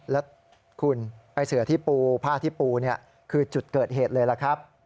แล้วคุณไอ้เสือที่ปูผ้าที่ปูคือจุดเกิดเหตุเลยล่ะครับ